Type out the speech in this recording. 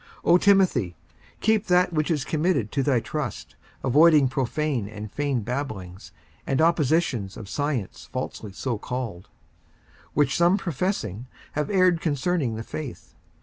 54:006:020 O Timothy, keep that which is committed to thy trust, avoiding profane and vain babblings, and oppositions of science falsely so called: 54:006:021 Which some professing have erred concerning the faith.